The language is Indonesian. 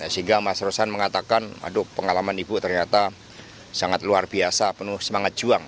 sehingga mas rosan mengatakan aduh pengalaman ibu ternyata sangat luar biasa penuh semangat juang